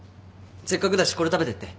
せっかくだしこれ食べてって。